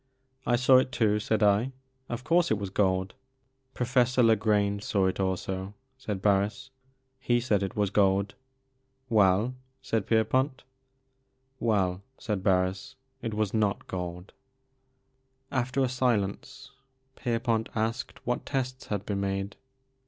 I saw it too," said I; of course, it was gold." Professor La Grange saw it also, '* said Harris ;•* he said it was gold." "Well? "said Pierpont. " Well," said Harris, " it was not gold." After a silence Pierpont asked what tests had been made.